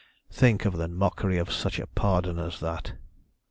"Think of the mockery of such a pardon as that!